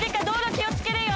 気を付けるよ！